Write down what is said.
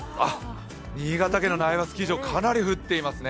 新潟県の苗場スキー場、かなり降ってますね。